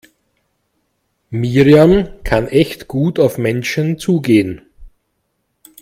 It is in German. Miriam kann echt gut auf Menschen zugehen.